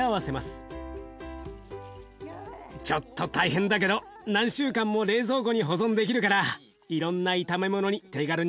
ちょっと大変だけど何週間も冷蔵庫に保存できるからいろんな炒め物に手軽に使えるよ。